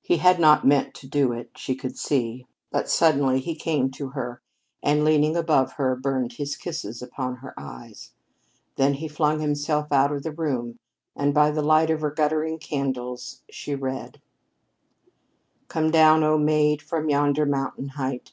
He had not meant to do it, she could see, but suddenly he came to her, and leaning above her burned his kisses upon her eyes. Then he flung himself out of the room, and by the light of her guttering candles she read: "Come down, O maid, from yonder mountain height.